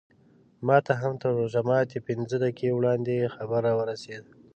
ماته هم تر روژه ماتي پینځه دقیقې وړاندې خبر راورسېد.